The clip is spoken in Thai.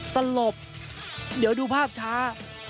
ตลบเดี๋ยวดูภาพช้า